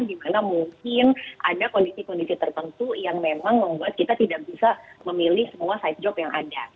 dimana mungkin ada kondisi kondisi tertentu yang memang membuat kita tidak bisa memilih semua side job yang ada